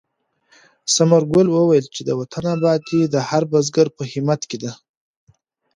ثمر ګل وویل چې د وطن ابادي د هر بزګر په همت کې ده.